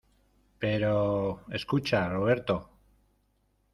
pero... escucha, Roberto .